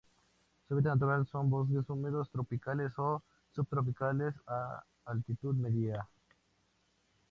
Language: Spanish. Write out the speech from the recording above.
Su hábitat natural son bosques húmedos tropicales o subtropicales a altitud media.